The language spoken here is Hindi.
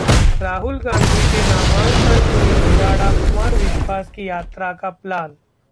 राहुल गांधी के नामांकन ने बिगाड़ा कुमार विश्वास की यात्रा का प्लान